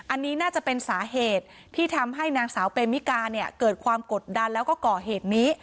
อันนี้น่าจะเป็นสาเหตุที่ทำให้นางสาวเปมิกาเนี่ยเกิดความกดดันแล้วก็ก่อเหตุนี้